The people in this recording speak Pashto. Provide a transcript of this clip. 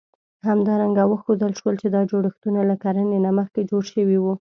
همدارنګه وښودل شول، چې دا جوړښتونه له کرنې نه مخکې جوړ شوي وو.